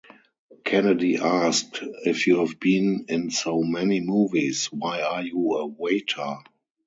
Kennedy asked, If you've been in so many movies, why are you a waiter?